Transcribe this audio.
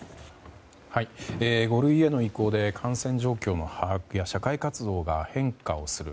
５類への移行で感染状況の把握や社会活動が変化をする。